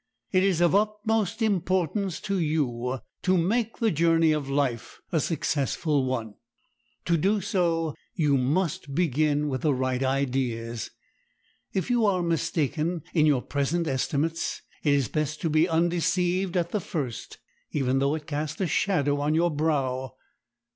It is of the utmost importance to you to make the journey of life a successful one. To do so you must begin with right ideas. If you are mistaken in your present estimates it is best to be undeceived at the first, even though it cast a shadow on your brow.